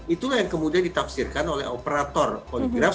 itulah yang kemudian ditafsirkan oleh operator poligraf